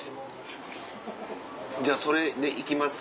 じゃあそれでいきます